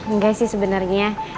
nggak sih sebenernya